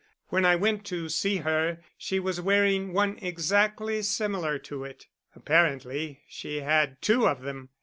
When I went to see her she was wearing one exactly similar to it. Apparently she had two of them.